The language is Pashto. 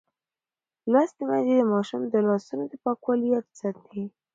لوستې میندې د ماشومانو د لاسونو پاکولو یاد ساتي.